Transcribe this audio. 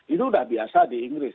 itu udah biasa di inggris